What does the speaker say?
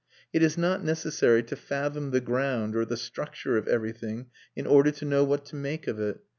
It is not necessary to fathom the ground or the structure of everything in order to know what to make of it.